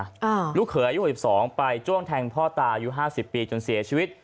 ลูกเขยอายุหกสิบสองไปจ้วงแทงพ่อตาอายุห้าสิบปีจนเสียชีวิต